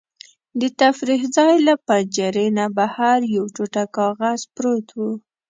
د تفریح ځای له پنجرې نه بهر یو ټوټه کاغذ پروت و.